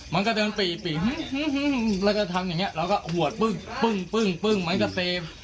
มันก็เดินปี่แล้วก็ทำอย่างนี้แล้วก็หัวปึ้งปึ้งปึ้งปึ้งมันก็เซ